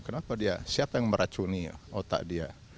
kenapa dia siapa yang meracuni otak dia